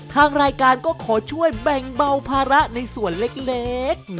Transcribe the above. ทางรายการก็ขอช่วยแบ่งเบาภาระในส่วนเล็ก